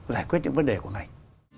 giải quyết những vấn đề của ngành